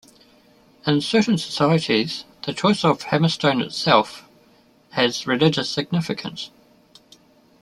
In certain societies, the choice of hammerstone itself has religious significance.